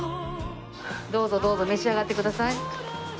どうぞどうぞ召し上がってください。